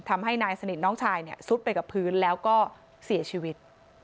ทำให้นายสนิทน้องชายเนี่ยซุดไปกับพื้นแล้วก็เสียชีวิต